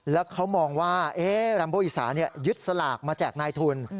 แล้วเขามองว่าแรมโบอีสานึกสลากมาแจกนายทุน